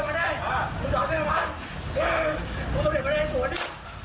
อ๋อเขาเริ่มมากำลังไป